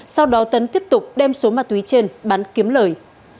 sau đó tấn tiếp tục đem số ma túy trên bán kiếm lời